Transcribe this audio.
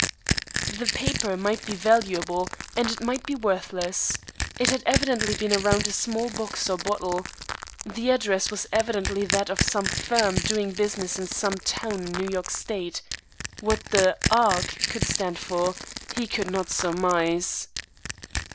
The paper might be valuable, and it might be worthless. It had evidently been around a small box or bottle. The address was evidently that of some firm doing business in some town in New York State. What the "ark" could stand for, he could not surmise.